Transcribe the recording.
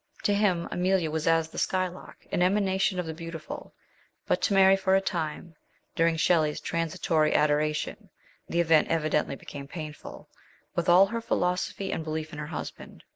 To him Emilia was as the Sky lark, an emanation of the beautiful; but to Mary for a time, during Shelley's transitory adoration, the event evidently became painful, with all her philosophy and belief in her husband.